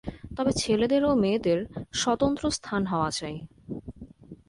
তবে ছেলেদের ও মেয়েদের স্বতন্ত্র স্থান হওয়া চাই।